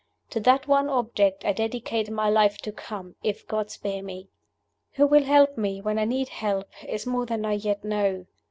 To that one object I dedicate my life to come, if God spare me! "Who will help me, when I need help, is more than I yet know.